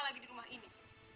lagi di rumah ini